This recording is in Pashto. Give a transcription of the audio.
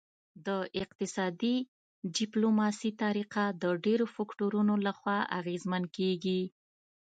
د اقتصادي ډیپلوماسي طریقه د ډیرو فکتورونو لخوا اغیزمن کیږي